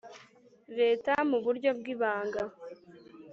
Leta mu buryo bw ibanga